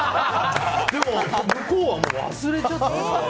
でも、向こうはもう忘れちゃっててて。